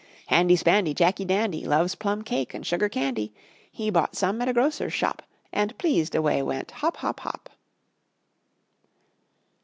Handy spandy, Jacky dandy, Loves plum cake and sugar candy. He bought some at a grocer's shop, And pleased away went hop, hop, hop.